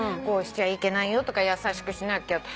こうしちゃいけないよとか優しくしなきゃ。